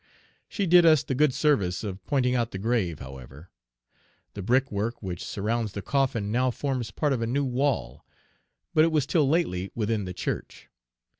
She did us the good service of pointing out the grave, however. The brickwork which surrounds Page 345 the coffin now forms part of a new wall; but it was till lately within the church.